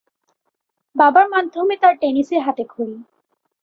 বাবার মাধ্যমে তার টেনিসে হাতেখড়ি।